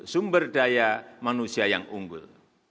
sumber daya manusia yang unggul